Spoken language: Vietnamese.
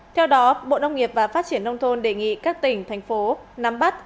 theo đó bộ nông nghiệp và phát triển nông thôn đề nghị các tỉnh thành phố nắm bắt